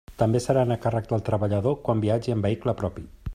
També seran a càrrec del treballador quan viatgi en vehicle propi.